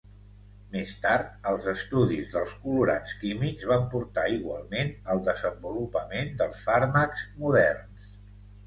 Més tard, els estudis dels colorants químics van portar igualment al desenvolupament dels fàrmacs moderns.